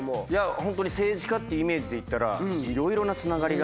ホントに政治家ってイメージで行ったらいろいろなつながりがあって。